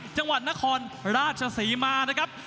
จังหวัดนครราชศรีมานะครับ